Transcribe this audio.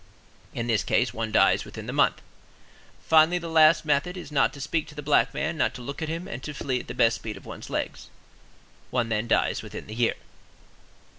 In this case one dies within the month. Finally, the last method is not to speak to the black man, not to look at him, and to flee at the best speed of one's legs. One then dies within the year.